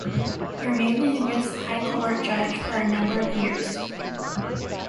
He remained the youngest High Court judge for a number of years.